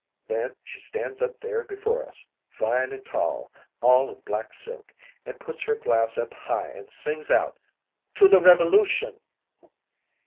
Then she stands up there before us, fine an' tall, all in black silk, an' puts her glass up high an' sings out "'To the Revolution!'